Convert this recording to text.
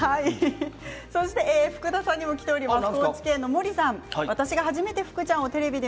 福田さんにも来ていますよ。